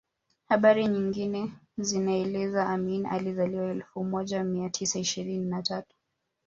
Habari nyingine zinaeleza Amin alizaliwa elfu moja mia tisa ishirini na tatu